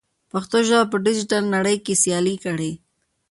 پښتو ژبه په ډیجیټل نړۍ کې سیاله کړئ.